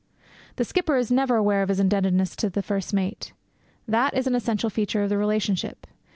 The skipper never is aware of his indebtedness to the first mate; that is an essential feature of the relationship.